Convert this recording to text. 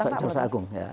saya kira caksa agung ya